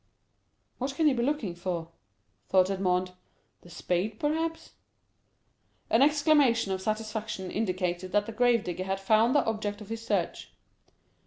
"What can he be looking for?" thought Edmond. "The spade, perhaps." An exclamation of satisfaction indicated that the grave digger had found the object of his search.